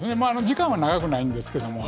時間は長くないんですけども。